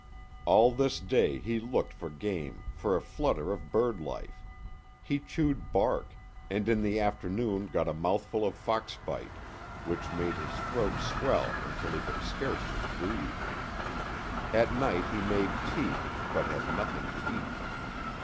All this day he looked for game, for a flutter of bird life; he chewed bark, and in the afternoon got a mouthful of foxbite, which made his throat swell until he could scarcely breathe. At night he made tea, but had nothing to eat.